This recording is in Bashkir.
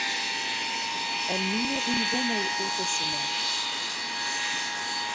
Ә ниңә ингән ул ут эсенә?